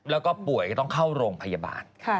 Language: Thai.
แล้วก็ป่วยก็ต้องเข้าโรงพยาบาล